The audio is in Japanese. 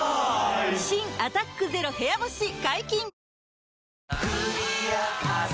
新「アタックＺＥＲＯ部屋干し」解禁‼